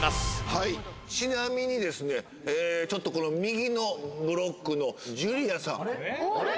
はいちなみにですねちょっとこの右のブロックの・あれ！？